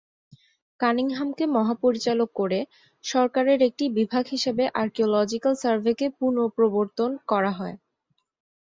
কানিংহামকে মহাপরিচালক 'করে সরকারের একটি বিভাগ হিসেবে আর্কিওলজিক্যাল সার্ভেকে পুনঃপ্রবর্তন করা হয়।